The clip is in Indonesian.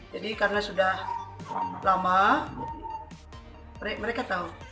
jadi karena sudah lama mereka tahu